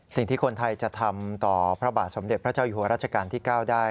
สิ่งที่คนไทยจะทำต่อพระบาทสมเด็จพระเจ้าอยู่หัวรัชกาลที่๙ได้